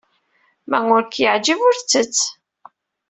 Ma ur k-yeɛjib, ur t-ttett.